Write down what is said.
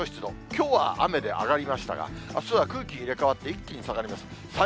きょうは雨で上がりましたが、あすは空気入れ代わって、一気に下がります。